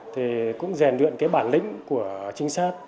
thì cũng rèn luyện bản lĩnh của chính sách